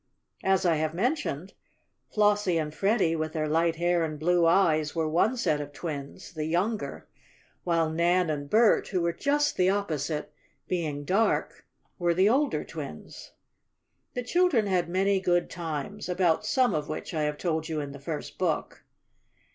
As I have mentioned, Flossie and Freddie, with their light hair and blue eyes, were one set of twins the younger while Nan and Bert, who were just the opposite, being dark, were the older twins. The children had many good times, about some of which I have told you in the first book.